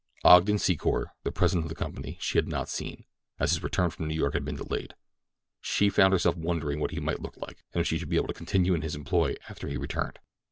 Ogden Secor, the president of the company, she had not seen, as his return from New York had been delayed. She found herself wondering what he might look like, and if she should be able to continue in his employ after he returned.